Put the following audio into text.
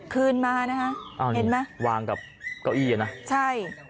คืนมานะคะเห็นไหมวางกับเก้าอี้อ่ะนะใช่